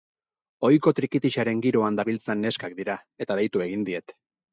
Ohiko trikitixaren giroan dabiltzan neskak dira, eta deitu egin diet.